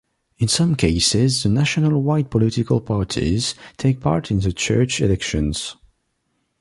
In some cases the nationwide political parties take part in the church elections.